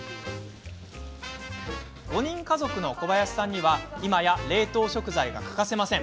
５人家族の小林さんには今や冷凍食材が欠かせません。